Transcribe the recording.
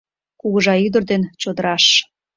Кугыжа ӱдыр ден чодыраш